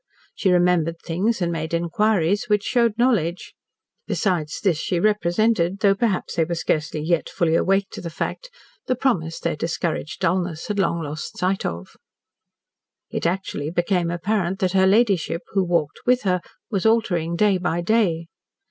She remembered things and made inquiries which showed knowledge. Besides this, she represented, though perhaps they were scarcely yet fully awake to the fact, the promise their discouraged dulness had long lost sight of. It actually became apparent that her ladyship, who walked with her, was altering day by day.